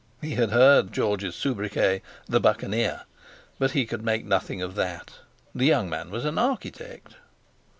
(He had heard George's soubriquet, "The Buccaneer," but he could make nothing of that—the young man was an architect.)